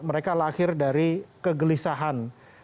mereka lahir dari kegelisahan